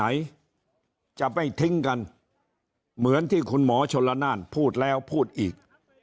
ไหนจะไม่ทิ้งกันเหมือนที่คุณหมอชนละนานพูดแล้วพูดอีก